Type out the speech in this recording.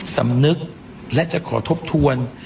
สำนึกและจะขอทบทวน